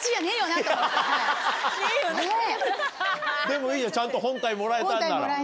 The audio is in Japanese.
でもいいじゃんちゃんと本体もらえたんなら。